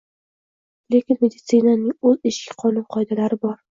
Lekin meditsinaning o‘z ichki qonun-qoidalari bor.